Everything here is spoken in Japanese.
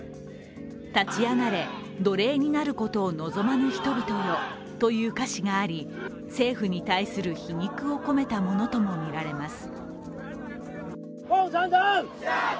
「立ち上がれ、奴隷になることを望まぬ人々よ」という歌詞があり政府に対する皮肉を込めたものともみられます。